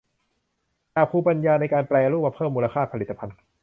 จากภูมิปัญญาในการแปรรูปมาเพิ่มมูลค่าผลิตภัณฑ์